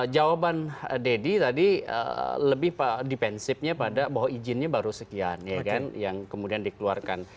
jawaban deddy tadi lebih dipensifnya pada bahwa izinnya baru sekian ya kan yang kemudian dikeluarkan